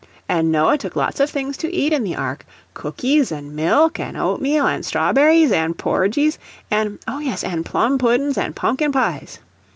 An' Noah took lots of things to eat in the ark cookies, an' milk, an' oatmeal, an' strawberries, an' porgies, an' oh, yes; an' plum puddin's an' pumpkin pies.